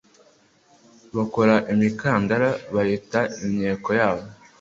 Bakora imikandara bayita imyeko yabo